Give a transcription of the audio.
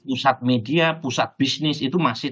pusat media pusat bisnis itu masih